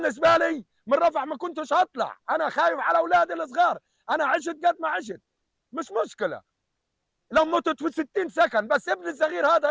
jika akan menangkap mereka kita akan memulai semuanya